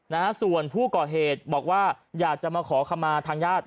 นะฮะส่วนผู้ก่อเหตุบอกว่าอยากจะมาขอคำมาทางญาติ